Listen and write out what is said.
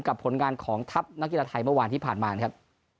ผลงานของทัพนักกีฬาไทยเมื่อวานที่ผ่านมานะครับ